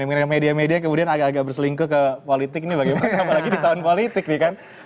mengenai media media yang kemudian agak agak berselingkuh ke politik ini bagaimana apalagi di tahun politik nih kan